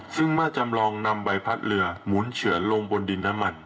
ซึ่งเมื่อจำลองนำใบพัดเรือหมุนเฉือนลงบนดินน้ำมัน